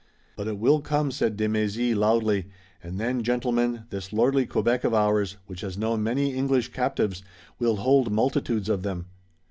"But it will come," said de Mézy loudly, "and then, gentlemen, this lordly Quebec of ours, which has known many English captives, will hold multitudes of them."